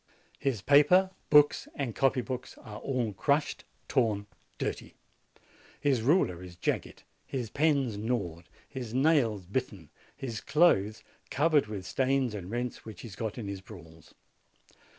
His paper, books, and copy books are all crushed, torn, dirty. His ruler is jagged, his pens gnawed, his nails bitten, his clothes covered with stains and rents which he has got in his brawls.